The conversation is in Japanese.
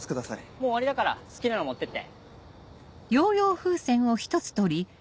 もう終わりだから好きなの持ってって。